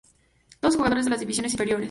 Todos jugadores de las divisiones inferiores.